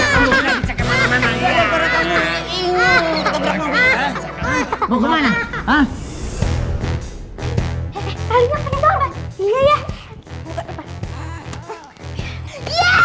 kita itu bocah